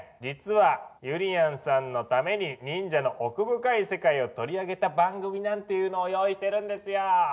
実はゆりやんさんのために忍者の奥深い世界を取り上げた番組なんていうのを用意してるんですよ。